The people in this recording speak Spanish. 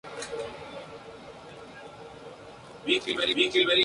Eventualmente, Egipto se llevaría el trofeo.